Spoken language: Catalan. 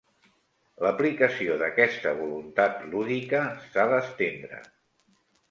L'aplicació d'aquesta voluntat lúdica s'ha d'estendre.